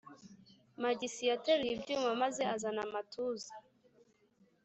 magisi yateruye ibyuma maze azana amatuza